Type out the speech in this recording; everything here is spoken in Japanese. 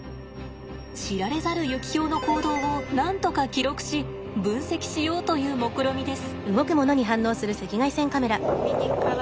知られざるユキヒョウの行動をなんとか記録し分析しようというもくろみです。